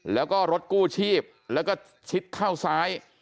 แล้วก็รถกู้ชีพแล้วก็ชิดเข้าซ้าย